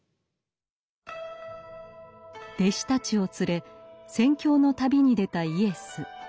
弟子たちを連れ宣教の旅に出たイエス。